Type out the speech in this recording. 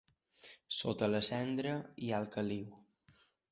Sota la cendra hi ha el caliu.